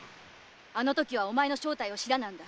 あのときはお前の正体を知らなんだ。